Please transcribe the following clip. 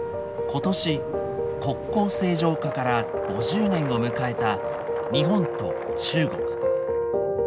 今年国交正常化から５０年を迎えた日本と中国。